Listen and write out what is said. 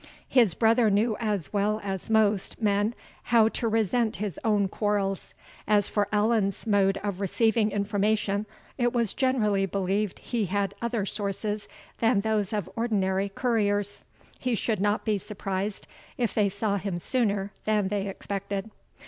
His brother knew as well as most men how to resent his own quarrels as for Allan's mode of receiving information, it was generally believed he had other sources than those of ordinary couriers. He should not be surprised if they saw him sooner than they expected."